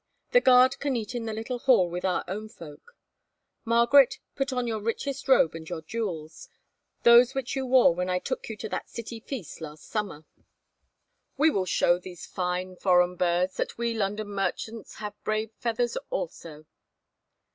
The guard can eat in the little hall with our own folk. Margaret, put on your richest robe and your jewels, those which you wore when I took you to that city feast last summer. We will show these fine, foreign birds that we London merchants have brave feathers also."